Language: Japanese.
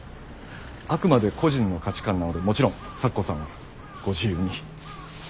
あくまで個人の価値観なのでもちろん咲子さんはご自由に。